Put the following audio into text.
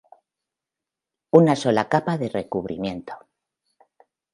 Una sola capa de recubrimiento.